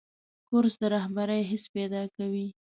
کورس د رهبرۍ حس پیدا کوي.